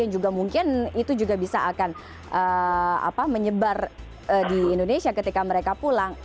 yang mungkin bisa menyebar di indonesia ketika mereka pulang